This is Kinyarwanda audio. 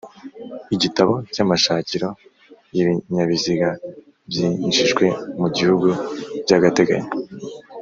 igitabo cy’amashakiro y’ibinyabiziga byinjijwe mu gihugu by’agateganyo